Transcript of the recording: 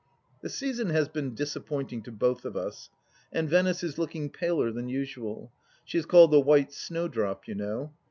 The season has been disappointing to both of us, and Venice is looking paler than usual — she is called The White Snow drop, you know.